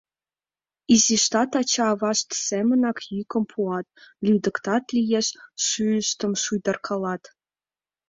Изиштат ача-авашт семынак йӱкым пуат, лӱдыктат лиеш — шӱйыштым шуйдаркалат.